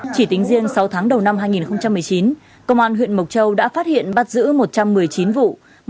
chỉ tính riêng sáu tháng đầu năm hai nghìn một mươi chín công an huyện mộc châu đã phát hiện bắt giữ một trăm một mươi chín vụ